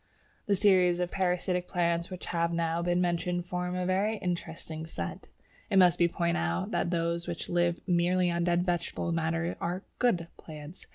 The series of parasitic plants which have now been mentioned form a very interesting set. It must be pointed out that those which live merely on dead vegetable matter are "good" plants.